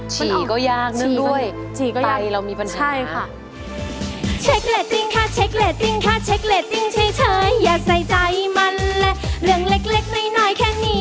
ฉีกก็ยากนึงด้วยใตเรามีปัญหาใช่ค่ะ